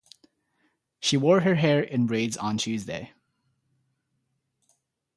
She wore her hair in braids on Tuesday.